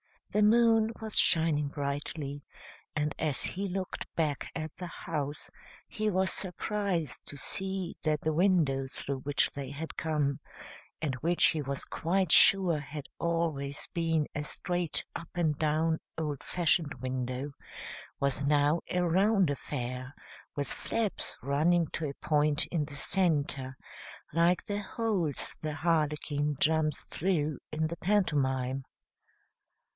The moon was shining brightly, and as he looked back at the house he was surprised to see that the window through which they had come, and which he was quite sure had always been a straight up and down, old fashioned window, was now a round affair, with flaps running to a point in the centre, like the holes the harlequin jumps through in the pantomime.